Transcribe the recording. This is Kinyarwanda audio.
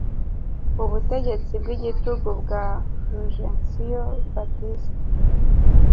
ubutegetsi bw’igitugu bwa fulgencio baptista